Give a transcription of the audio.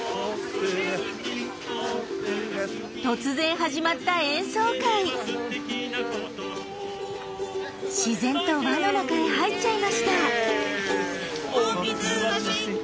突然始まった自然と輪の中へ入っちゃいました。